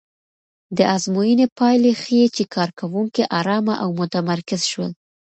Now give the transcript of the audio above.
د ازموینې پایلې ښيي چې کارکوونکي ارامه او متمرکز شول.